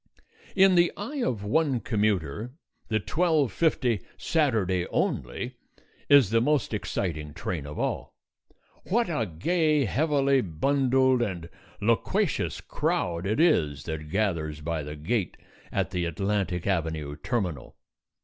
In the eye of one commuter, the 12:50 SATURDAY ONLY is the most exciting train of all. What a gay, heavily bundled, and loquacious crowd it is that gathers by the gate at the Atlantic Avenue terminal.